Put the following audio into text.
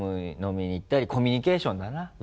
飲みに行ったりコミュニケーションだな。